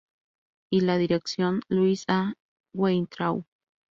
Y la dirección: Luis A. Weintraub.